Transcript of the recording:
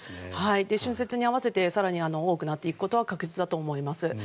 春節に合わせて更に多くなっていくことは確実だと思います。